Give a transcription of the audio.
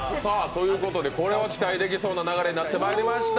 期待できそうな流れになってまいりました。